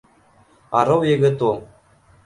Арыу егет ул